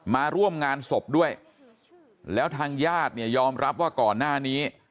มาร่วมงานศพด้วยแล้วทางญาติเนี่ยยอมรับว่าก่อนหน้านี้